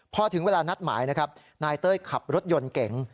พอถึงเวลานัดหมายนะครับนายเต้ยขับรถยนต์เก๋ง